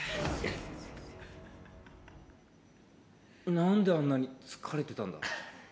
何であんなに疲れてたんだ？